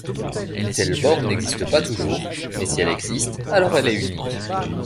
Une telle borne n'existe pas toujours, mais si elle existe alors elle est unique.